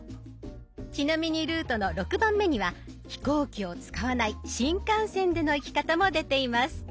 ちなみにルートの６番目には飛行機を使わない新幹線での行き方も出ています。